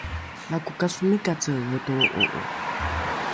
lako kasomikace votolro’o’o